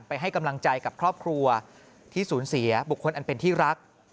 ให้กำลังใจกับครอบครัวที่สูญเสียบุคคลอันเป็นที่รัก